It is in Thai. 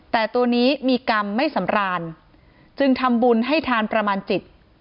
แต่ตัวนี้มีกรรมไม่สำราญจึงทำบุญให้ทานประมาณจิต